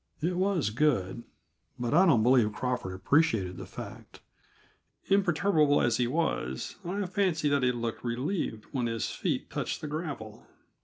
It was good but I don't believe Crawford appreciated the fact; imperturbable as he was, I fancied that he looked relieved when his feet touched the gravel.